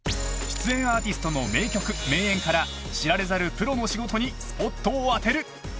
［出演アーティストの名曲名演から知られざるプロの仕事にスポットを当てる］